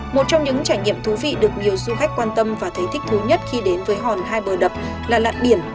một trong những trải nghiệm thú vị được nhiều du khách quan tâm và thấy thích thú nhất khi đến với hòn hai bờ đập là lạn biển